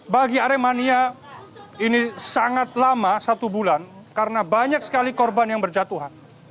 bagi aremania ini sangat lama satu bulan karena banyak sekali korban yang berjatuhan